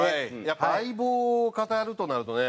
やっぱ「相棒」を語るとなるとね